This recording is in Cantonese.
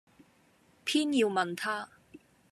偏要問他。